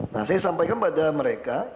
nah saya sampaikan pada mereka